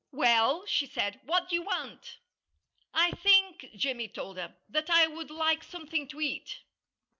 "Well," she said, "what do you want?" "I think," Jimmy told her, "that I would like something to eat."